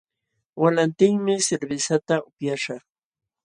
Walantinmi cervezata upyaśhaq